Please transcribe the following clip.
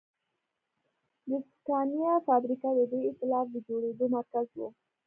د سکانیا فابریکه د دې اېتلاف د جوړېدو مرکز و.